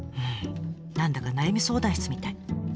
何だか悩み相談室みたい。